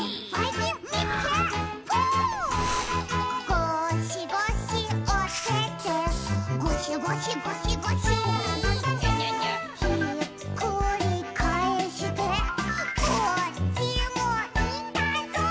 「ゴシゴシおててゴシゴシゴシゴシ」「ひっくりかえしてこっちもいたぞ！」